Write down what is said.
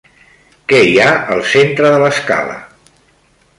Què hi ha al centre de l'escala?